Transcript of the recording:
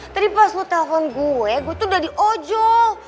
tadi pas lu telfon gue gua tuh udah diojol